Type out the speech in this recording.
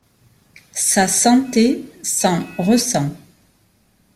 Sa santé s'en ressent.